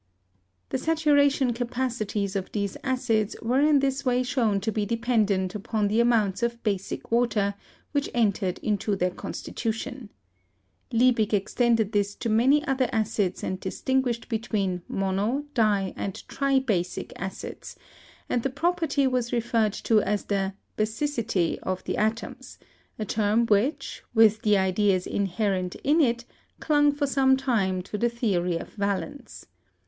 The saturation capacities of these acids were in this way shown to be dependent upon the amounts of "basic water" which entered into their constitution. Liebig ex tended this to many other acids and distinguished between mono , di , and tri basic acids, and the property was re ferred to as the "basicity" of the atoms, a term which^ with the ideas inherent in it, clung for some time to the theory of valence.